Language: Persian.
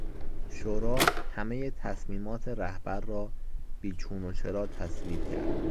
شورا همهی تصمیمات رهبر را بی چون و چرا تصویب کرد.